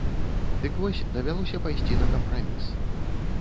Дык вось давялося пайсці на кампраміс.